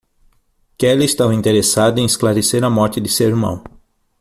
Kelly estava interessada em esclarecer a morte de seu irmão.